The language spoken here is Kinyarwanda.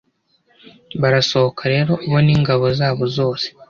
barasohoka rero, bo n'ingabo zabo zose